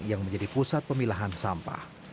yang menjadi pusat pemilahan sampah